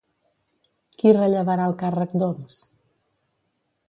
Qui rellevarà el càrrec d'Homs?